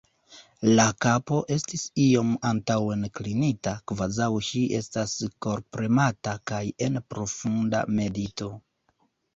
La kapo estis iom antaŭen klinita, kvazaŭ ŝi estas korpremata kaj en profunda medito.